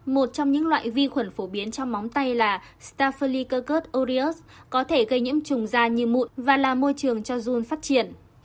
một trong những loại vi khuẩn phổ biến trong móng tay là staphylococcus aureus có thể gây nhiễm trùng da như mụn và là môi trường cho dung phát triển